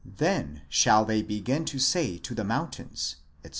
(then shall they begin to say to the moun tains, etc.)